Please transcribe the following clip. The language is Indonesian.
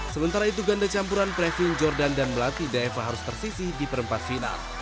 sementara itu ganda campuran previn jordan dan melati daeva harus tersisih di perempat final